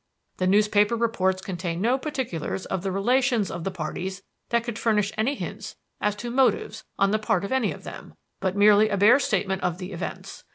The newspaper reports contained no particulars of the relations of the parties that could furnish any hints as to motives on the part of any of them, but merely a bare statement of the events.